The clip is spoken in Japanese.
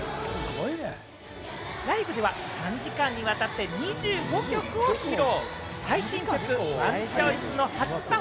ライブでは３時間にわたって２５曲を披露。